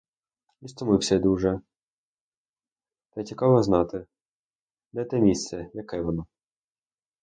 І стомився я дуже, та й цікаво знати, де те місце, яке воно.